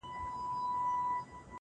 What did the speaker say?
• د ژوندون خواست یې کوه له ربه یاره ,